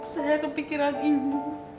saya kepikiran ibu